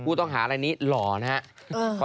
ผู้ต้องหาอะไรนี้หล่อนะครับ